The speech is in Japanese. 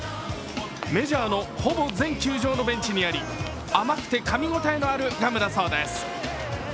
メジャーのほぼ全球場のベンチにあり、甘くてかみごたえのあるガムだそうです。